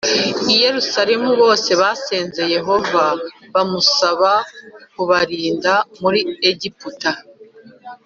i Yerusalemu bose basenze Yehova bamusaba kubarinda muri Egiputa